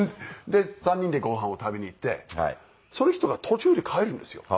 で３人でご飯を食べに行ってその人が途中で帰るんですよ。